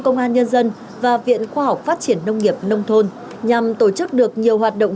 công an nhân dân và viện khoa học phát triển nông nghiệp nông thôn nhằm tổ chức được nhiều hoạt động